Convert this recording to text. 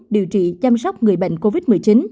điều trị chăm sóc người bệnh covid một mươi chín